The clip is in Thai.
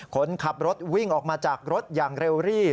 คนขับรถวิ่งออกมาจากรถอย่างเร็วรี่